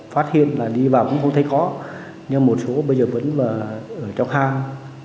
phát hiện là đi vào cũng không thấy có nhưng một số bây giờ vẫn ở trong hang